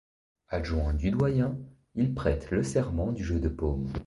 Adjoint du doyen, il prête le serment du jeu de Paume.